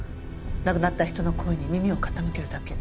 亡くなった人の声に耳を傾けるだけ。